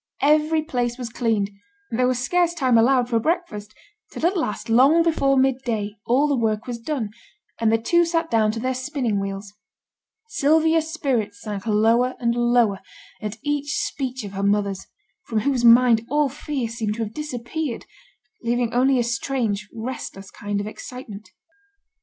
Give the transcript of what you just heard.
Every place was cleaned; there was scarce time allowed for breakfast; till at last, long before mid day, all the work was done, and the two sat down to their spinning wheels. Sylvia's spirits sank lower and lower at each speech of her mother's, from whose mind all fear seemed to have disappeared, leaving only a strange restless kind of excitement.